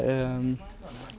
đón tết tại